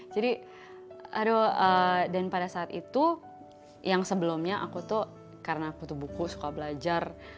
jadi aduh dan pada saat itu yang sebelumnya aku tuh karena aku tuh buku suka belajar